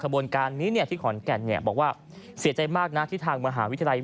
บนการนี้ที่ขอนแก่นบอกว่าเสียใจมากนะที่ทางมหาวิทยาลัย